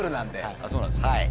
あっそうなんですか？